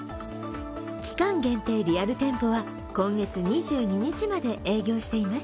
期間限定リアル店舗は今月２２日まで営業しています。